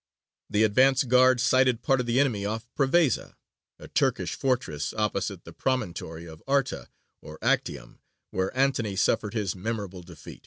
The advance guard sighted part of the enemy off Prevesa a Turkish fortress opposite the promontory of Arta or Actium, where Antony suffered his memorable defeat.